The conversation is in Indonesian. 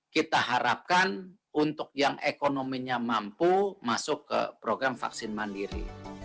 kita harapkan untuk yang ekonominya mampu masuk ke program vaksin mandiri